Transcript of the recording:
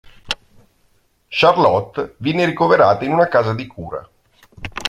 Charlotte viene ricoverata in una casa di cura.